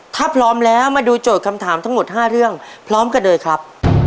ถ้าพร้อมแล้วมาดูโจทย์คำถามทั้งหมด๕เรื่องพร้อมกันเลยครับ